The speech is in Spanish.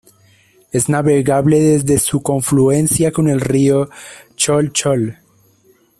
Es navegable desde su confluencia con el río Cholchol.